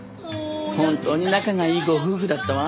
本当に仲がいいご夫婦だったわ。